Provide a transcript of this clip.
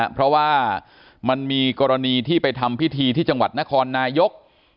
เพราะว่ามันมีกรณีที่ไปทำพิธีที่จังหวัดนครนายก